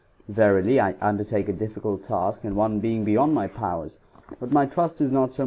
Verily, I undertake a difficult task and one be >nd my powers, but my trust is not so much in s.